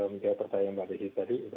menjawab pertanyaan mbak desi tadi